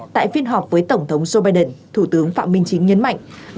tại phiên họp với tổng thống joe biden thủ tướng phạm minh chính nhấn mạnh